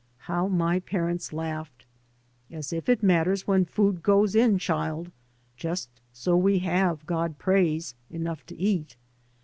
How my parents laughed !" As if it matters when food goes in, childie, just so we have, God praise, enough to eat!